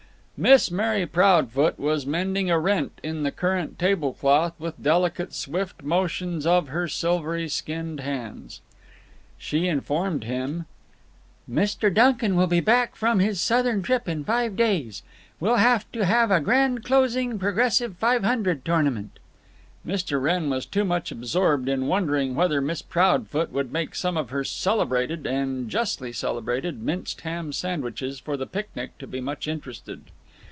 Miss Mary Proudfoot was mending a rent in the current table cloth with delicate swift motions of her silvery skinned hands. She informed him: "Mr. Duncan will be back from his Southern trip in five days. We'll have to have a grand closing progressive Five Hundred tournament." Mr. Wrenn was too much absorbed in wondering whether Miss Proudfoot would make some of her celebrated—and justly celebrated—minced ham sandwiches for the picnic to be much interested.